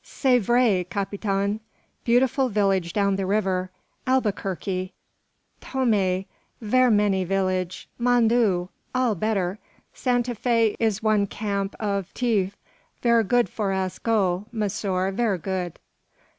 "C'est vrai, capitaine. Beautiful village down the river. Albuquerque; Tome: ver many village. Mon Dieu! all better, Santa Fe is one camp of tief. Ver good for us go, monsieur; ver good."